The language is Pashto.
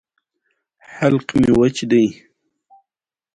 ازادي راډیو د د انتخاباتو بهیر په اړه د مسؤلینو نظرونه اخیستي.